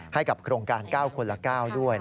ให้กับโครงการ๙คนละ๙ด้วย